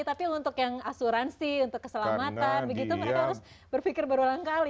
tapi untuk yang asuransi untuk keselamatan begitu mereka harus berpikir berulang kali